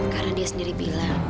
karena dia sendiri bilang